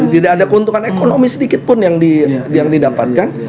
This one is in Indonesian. tidak ada keuntungan ekonomi sedikit pun yang didapatkan